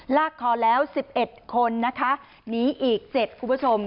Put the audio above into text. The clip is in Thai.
ลากคอแล้ว๑๑คนนะคะหนีอีก๗คุณผู้ชม